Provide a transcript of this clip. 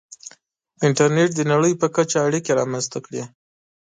• انټرنېټ د نړۍ په کچه اړیکې رامنځته کړې.